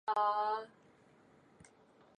Darwin also visited the saltpeter works.